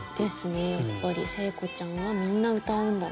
やっぱり聖子ちゃんはみんな歌うんだろうなと思って。